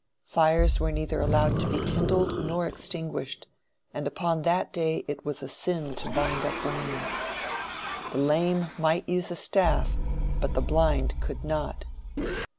Fires were neither allowed to be kindled nor extinguished, and upon that day it was a sin to bind up wounds. "The lame might use a staff, but the blind could not."